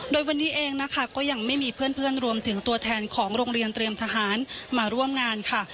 โดยวันนี้เองนะคะก็ยังไม่มีเพื่อนรวมถึงตัวแทนของโรงเรียนเตรียมทหารมาร่วมงานค่ะ